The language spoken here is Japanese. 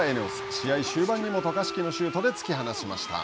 試合終盤にも渡嘉敷のシュートで突き放しました。